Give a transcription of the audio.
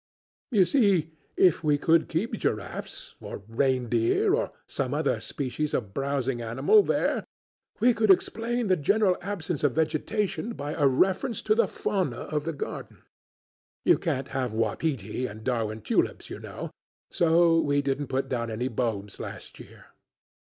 You see, if we could keep giraffes or reindeer or some other species of browsing animal there we could explain the general absence of vegetation by a reference to the fauna of the garden: 'You can't have wapiti and Darwin tulips, you know, so we didn't put down any bulbs last year.